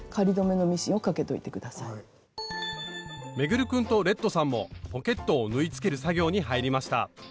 運君とレッドさんもポケットを縫いつける作業に入りました。